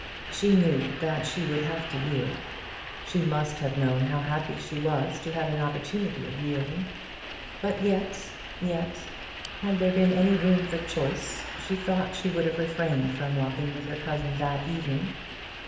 She knew that she would have to yield. She must have known how happy she was to have an opportunity of yielding; but yet, yet, had there been any room for choice, she thought she would have refrained from walking with her cousin that evening.